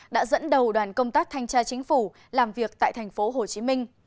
đã dẫn đầu đoàn công tác thanh tra chính phủ làm việc tại thành phố hồ chí minh